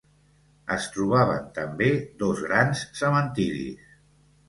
Es trobaven també dos grans cementiris.